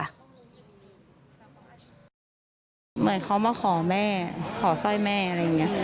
เหมือนเขามาขอแม่ขอสร้อยแม่อะไรอย่างนี้